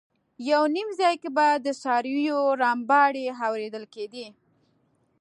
یو نیم ځای کې به د څارویو رمباړې اورېدل کېدې.